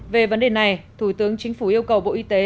về vấn đề này thủ tướng chính phủ yêu cầu bộ y tế